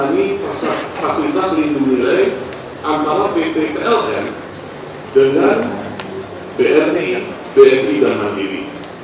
hari ini dipertaruhkan proses fasilitas lindung nilai antara pt plm dengan brt brt dan mapiri